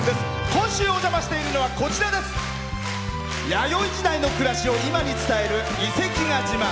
今週、お邪魔しているのは弥生時代の暮らしを今に伝える遺跡が自慢。